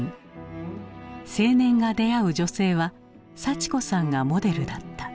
青年が出会う女性は幸子さんがモデルだった。